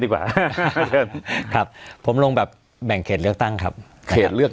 กว่าเริ่มครับผมลงแบบแบ่งเขตเลือกตั้งครับเขตเลือก